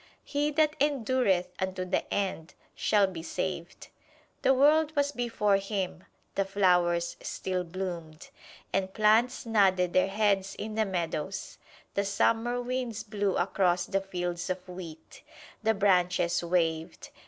"He that endureth unto the end shall be saved." The world was before him the flowers still bloomed, and plants nodded their heads in the meadows; the summer winds blew across the fields of wheat, the branches waved.